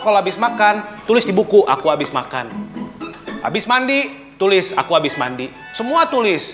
kalau habis makan tulis di buku aku habis makan habis mandi tulis aku habis mandi semua tulis